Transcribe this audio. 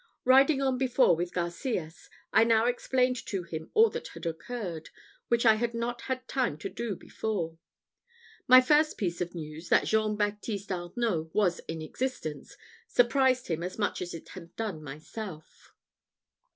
Riding on before with Garcias, I now explained to him all that had occurred, which I had not had time to do before. My first piece of news, that Jean Baptiste Arnault was in existence, surprised him as much as it had done myself.